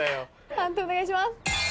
判定お願いします。